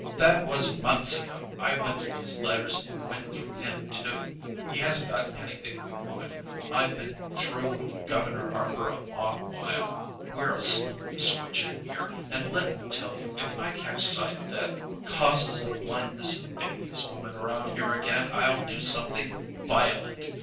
"That was months ago. I went through his letters and went through him, too. He hasn't got anything we want. I've been through with Governor Harper a long while. We're asleep at the switch in here. And let me tell you, if I catch sight of that causes of blindness in babies woman around here again, I'll do something violent.